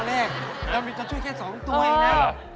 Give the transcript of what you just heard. แรกเรามีตัวช่วยแค่๒ตัวเองนะ